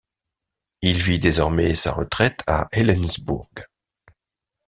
Il vit désormais sa retraite à Helensburgh.